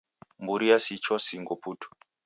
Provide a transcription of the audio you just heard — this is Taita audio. Mburi yasichwa singo putu